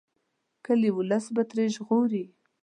کلي ولس به ترې ژغوري.